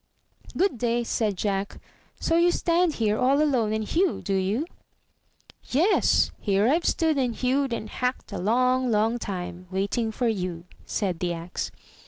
"Good day!" said Jack. "So you stand here all alone and hew, do you?" "Yes; here I've stood and hewed and hacked a long, long time, waiting for you," said the Axe.